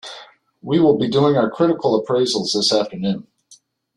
We will be doing our critical appraisals this afternoon.